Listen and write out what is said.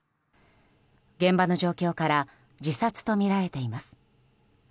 現場の状況から自殺とみられています。